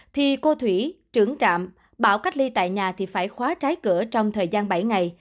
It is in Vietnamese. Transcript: thì cô thủy trưởng trạm bảo cách ly tại nhà thì phải khóa trái cửa trong thời gian bảy ngày